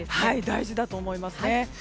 大事だと思います。